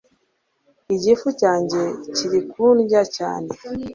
igifu cyanjye kirikundya cyane